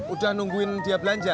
udah nungguin dia belanja